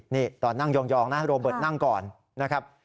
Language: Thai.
นี่ตอนนั่งยองนะโรเบิร์ตนั่งก่อนนะครับ